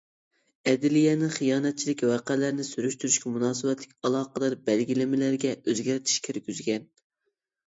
ئەدلىيەنىڭ خىيانەتچىلىك ۋەقەلىرىنى سۈرۈشتۈرۈشكە مۇناسىۋەتلىك ئالاقىدار بەلگىلىمىلىرىگە ئۆزگەرتىش كىرگۈزگەن.